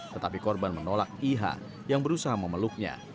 tetapi korban menolak iha yang berusaha memeluknya